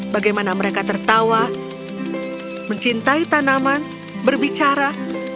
bagaimana mereka tertawa mencintai tanaman berbicara